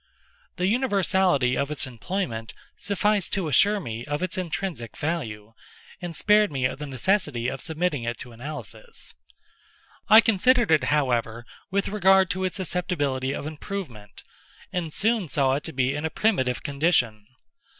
The universality of its employment sufficed to assure me of its intrinsic value, and spared me the necessity of submitting it to analysis. I considered it, however, with regard to its susceptibility of improvement, and soon saw it to be in a primitive condition.